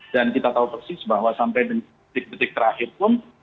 dan kita tahu persis bahwa sampai detik detik terakhir pun